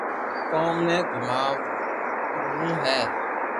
ڪوم ني گوماوو ھي